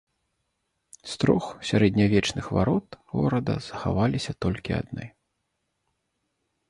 З трох сярэднявечных варот горада захаваліся толькі адны.